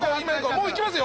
もういきますよ！